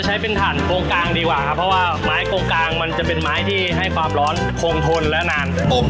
ให้ดันนังออกมาแล้วก็เริ่มไฟให้มันแรงขึ้น